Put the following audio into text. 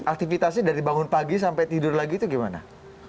aktivitasnya dari bangun pagi sampai tidur lagi itu gimana